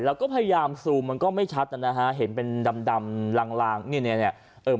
แล้วก็พยายามซูมมันก็ไม่ชัดนะฮะเห็นเป็นดำรางนี่เนี่ย